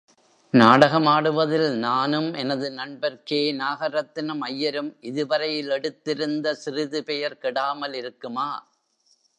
நாடகமாடுவதில் நானும் எனது நண்பர் கே. நாகரத்தினம் ஐயரும் இதுவரையில் எடுத்திருந்த சிறிது பெயர் கெடாமலிருக்குமா?